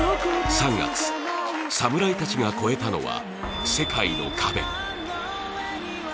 ３月、侍たちが超えたのは世界の壁。